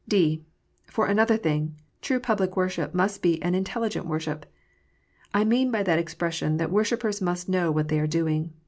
(d) For another thing, true public worship must be an intelligent worship. I mean by that expression that worshippers must know what they are doing.